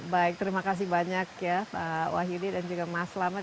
baik terima kasih banyak ya pak wahyudi dan juga mas lama